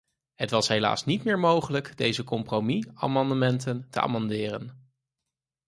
Het was helaas niet meer mogelijk deze compromisamendementen te amenderen.